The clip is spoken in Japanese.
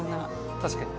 確かに。